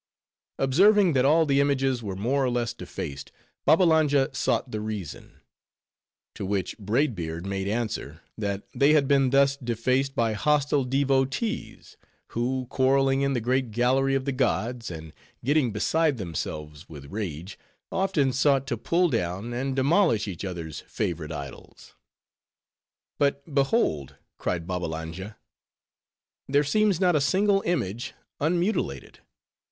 Observing that all the images were more or less defaced, Babbalanja sought the reason. To which, Braid Beard made answer, that they had been thus defaced by hostile devotees; who quarreling in the great gallery of the gods, and getting beside themselves with rage, often sought to pull down, and demolish each other's favorite idols. "But behold," cried Babbalanja, "there seems not a single image unmutilated.